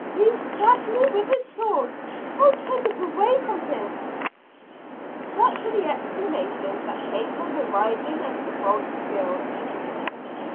"He stabs me with his sword oh, take it away from him!" Such were the exclamations that came from the writhing and convulsed girls.